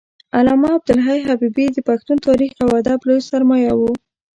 علامه عبدالحی حبیبي د پښتون تاریخ او ادب لوی سرمایه و